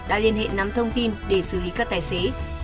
đã liên hệ nắm thông tin để xử lý các tài xế